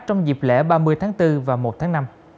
trong dịp lễ ba mươi tháng bốn và một tháng năm